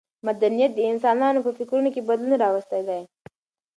مدنیت د انسانانو په فکرونو کې بدلون راوستی دی.